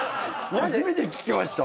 初めて聞きました。